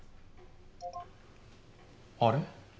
あれ？